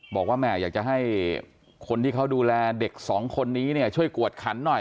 บอกว่าแม่อยากจะให้คนที่เขาดูแลเด็กสองคนนี้เนี่ยช่วยกวดขันหน่อย